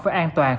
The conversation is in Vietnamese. phải an toàn